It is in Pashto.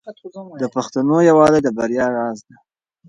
د پښتنو یووالی د بریا راز دی.